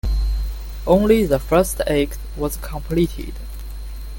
Only the first act was completed.